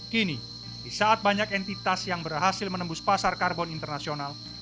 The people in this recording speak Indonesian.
kini di saat banyak entitas yang berhasil menembus pasar karbon internasional